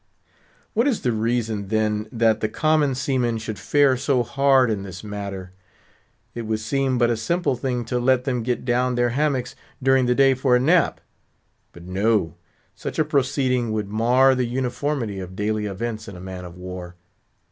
What is the reason, then, that the common seamen should fare so hard in this matter? It would seem but a simple thing to let them get down their hammocks during the day for a nap. But no; such a proceeding would mar the uniformity of daily events in a man of war.